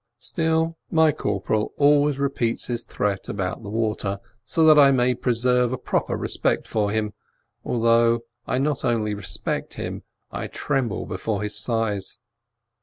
Still, my corporal always repeats his threat about the water, so that I may preserve a proper respect for him, although I not only respect him, I tremble before his size.